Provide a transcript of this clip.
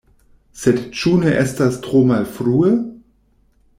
Sed ĉu ne estas tro malfrue?